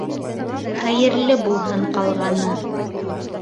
Хәйерле булһын ҡалғаны.